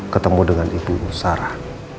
ketemu dengan ibu sarah